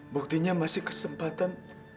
buktinya masih kesempatan